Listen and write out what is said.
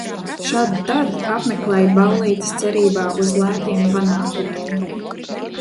Šad tad apmeklēju ballītes cerībā uz lētiem panākumiem.